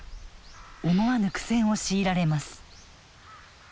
思わぬ苦戦を強いられます。